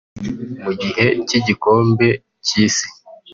Mu gihe cy’igikombe cy’isi